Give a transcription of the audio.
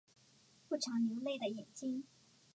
不常流泪的眼睛